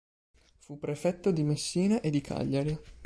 Fu prefetto di Messina e di Cagliari.